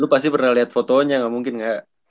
lo pasti pernah liat fotonya gak mungkin gak